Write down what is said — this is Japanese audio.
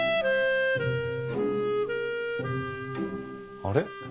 あれ？